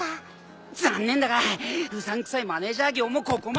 残念だがうさんくさいマネジャー業もここまでだ。